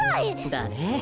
だね！